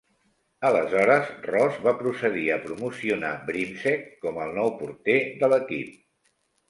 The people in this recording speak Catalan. Aleshores, Ross va procedir a promocionar Brimsek com el nou porter de l'equip.